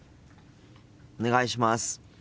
お願いします。